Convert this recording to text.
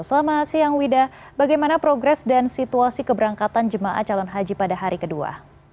selamat siang wida bagaimana progres dan situasi keberangkatan jemaah calon haji pada hari kedua